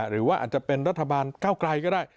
หรือว่าอาจจะเป็นรัฐบาลก้าวไกลก็ได้